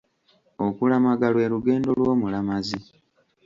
Okulamaga lwe lugendo lw'omulamazi.